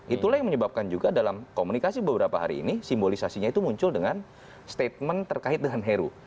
itulah yang menyebabkan juga dalam komunikasi beberapa hari ini simbolisasinya itu muncul dengan statement terkait dengan heru